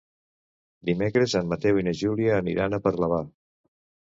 Dimecres en Mateu i na Júlia aniran a Parlavà.